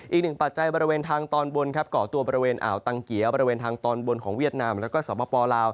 อีก๑ปัจจัยบริเวณทางตอนบนก่อตัวบริเวณอ่าวตังเกียถียวตาลในภายในอาเมิน